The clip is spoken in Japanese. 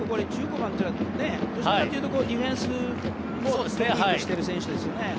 １５番ってどちらかというとディフェンスを得意としている選手ですね。